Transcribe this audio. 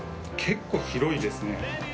結構広いですね。